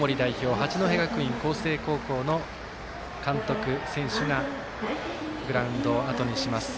八戸学院光星高校の監督選手がグラウンドをあとにします。